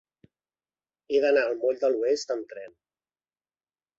He d'anar al moll de l'Oest amb tren.